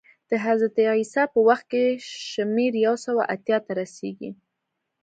د حضرت عیسی په وخت کې شمېر یو سوه اتیا ته رسېږي